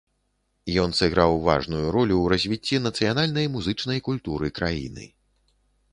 Ён сыграў важную ролю ў развіцці нацыянальнай музычнай культуры краіны.